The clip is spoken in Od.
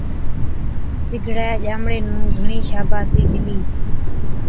سِگڙَين ڄامڙي نُون گھڻِي شاباش ڏِلِي۔